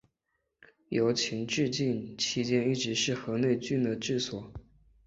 由秦至晋期间一直是河内郡的治所。